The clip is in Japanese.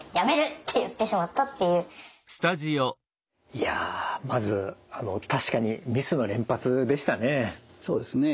いやまず確かにミスの連発でしたね。